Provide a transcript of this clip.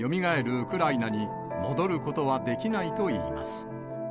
ウクライナに戻ることはできないといいます。